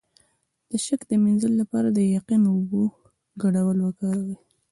د شک د مینځلو لپاره د یقین او اوبو ګډول وکاروئ